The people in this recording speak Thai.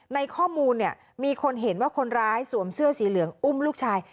ในข้อมูลเนี่ยมีคนเห็นว่าคนร้ายสวมเสื้อสีเหลืองอุ้มลูกชาย